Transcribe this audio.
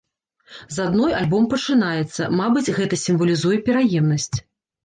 З адной альбом пачынаецца, мабыць, гэта сімвалізуе пераемнасць.